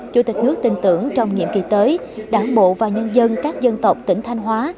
chủ tịch nước tin tưởng trong nhiệm kỳ tới đảng bộ và nhân dân các dân tộc tỉnh thanh hóa